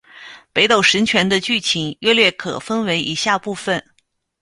北斗神拳的剧情约略可分为以下部分。